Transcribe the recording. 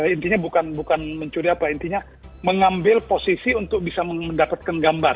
intinya bukan mencuri apa intinya mengambil posisi untuk bisa mendapatkan gambar